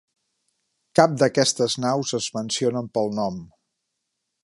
Cap d'aquestes naus es mencionen pel nom.